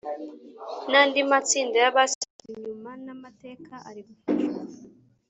nandi matsinda yabasigajwe inyuma namateka arigufashwa